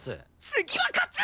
次は勝つ！